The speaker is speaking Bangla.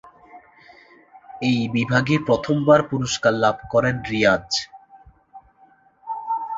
এই বিভাগে প্রথমবার পুরস্কার লাভ করেন রিয়াজ।